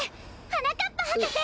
はなかっぱはかせ！